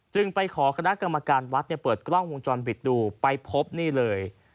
ไปขอคณะกรรมการวัดเปิดกล้องวงจรปิดดูไปพบนี่เลย